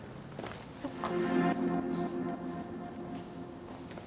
そっか。